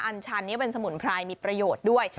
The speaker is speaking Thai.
อันชันนี้เป็นสมุนไพรมีประโยชน์ด้วย